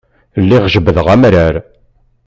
Lliɣ jebbdeɣ amrar.